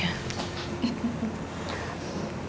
ya tapi sebelumnya aku mau minta maaf